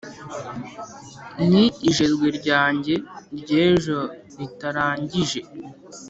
ni ijerwe rya njye ry’ejo ritaragije